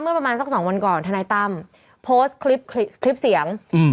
ประมาณสักสองวันก่อนทนายตั้มโพสต์คลิปคลิปเสียงอืม